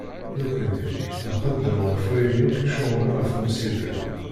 Nekni, nxeddem ɣef wayen yakk icuɣben ɣer umsider.